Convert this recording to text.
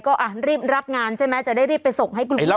ก็รีบรับงานใช่ไหมจะได้รีบไปส่งให้กลุ่ม